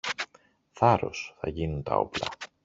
Θάρρος! Θα γίνουν τα όπλα.